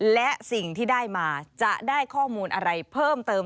และสิ่งที่ได้มาจะได้ข้อมูลอะไรเพิ่มเติม